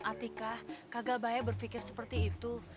atika kagak bayi berfikir seperti itu